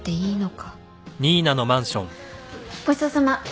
ごちそうさま。